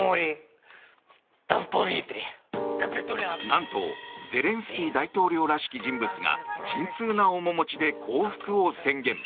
なんとゼレンスキー大統領らしき人物が沈痛な面持ちで降伏を宣言。